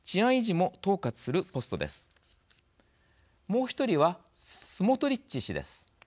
もう１人はスモトリッチ氏です。